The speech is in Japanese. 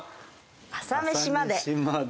『朝メシまで。』。